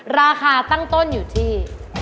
ราคาตั้งต้นอยู่ที่